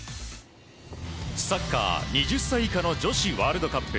サッカー、２０歳以下の女子ワールドカップ。